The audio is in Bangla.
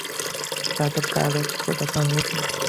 তাদের কারো সাথে দেখা হয়েছে?